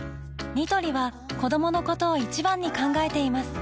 ニトリは子どものことを一番に考えています